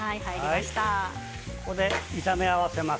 ここで炒め合わせます。